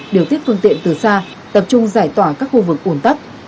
lượng đường tiết phương tiện từ xa tập trung giải tỏa các khu vực ủn thắc